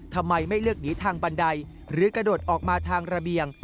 ทำไมไม่เลือกหนีทางบันไดหรือกระโดดออกมาทางระเบียง